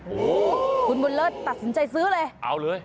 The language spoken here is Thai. โอ้โหคุณบุญเลิศตัดสินใจซื้อเลยเอาเลย